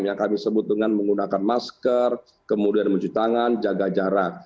yang kami sebut dengan menggunakan masker kemudian mencuci tangan jaga jarak